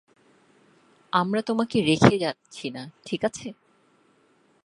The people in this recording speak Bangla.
আমরা তোমাকে রেখে যাচ্ছি না ঠিক আছে?